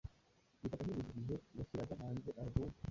biba agahebuzo igihe yashyiraga hanze alubumu